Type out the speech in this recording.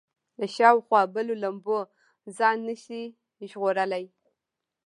له شاوخوا بلو لمبو ځان نه شي ژغورلی.